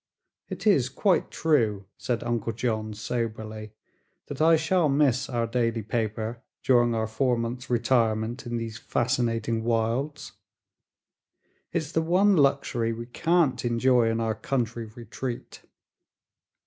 "It is quite true," said Uncle John soberly, "that I shall miss our daily paper during our four months' retirement in these fascinating wilds. It's the one luxury we can't enjoy in our country retreat."